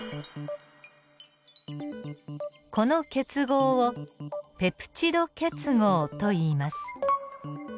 この結合をペプチド結合といいます。